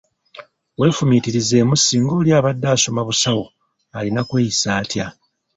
Weefumiitirizeemu singa oli abadde asoma busawo, alina kweyisa atya?